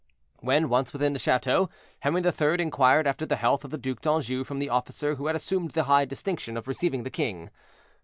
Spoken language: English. When once within the chateau, Henri III. inquired after the health of the Duc d'Anjou from the officer who had assumed the high distinction of receiving the king.